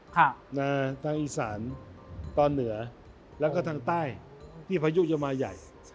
ทางอีสานตอนเหนือแล้วก็ทางใต้ที่พายุจะมาใหญ่